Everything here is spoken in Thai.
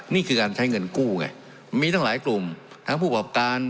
นี่คือการใช้เงินกู้ไงมีตั้งหลายกลุ่มทั้งผู้ประกอบการ